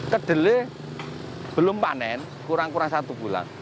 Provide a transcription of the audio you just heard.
kedelai belum panen kurang kurang satu bulan